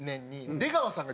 出川さんも？